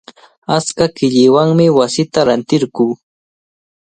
Achka qillaywanmi wasita rantirquu.